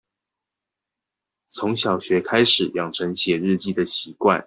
從小學開始養成寫日記的習慣